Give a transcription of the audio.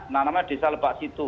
nah namanya desa lebak situ